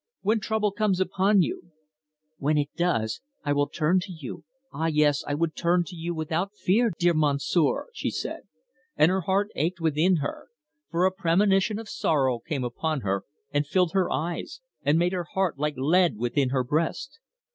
When trouble comes upon you " "When it does I will turn to you ah, yes, I would turn to you without fear, dear Monsieur," she said, and her heart ached within her, for a premonition of sorrow came upon her and filled her eyes, and made her heart like lead within her breast.